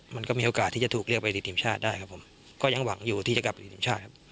มันก็มีโอกาสที่จะถูกเรียกไปติดทีมชาติได้ครับผมก็ยังหวังอยู่ที่จะกลับไปติดทีมชาติครับ